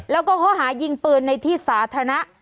แล้วก็ข้อหายิงปืนในที่สาธารณะ